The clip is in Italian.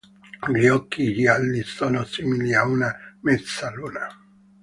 Gli occhi gialli sono simili a una mezzaluna.